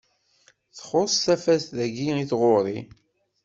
Txuṣṣ tafat dayi i tɣuri.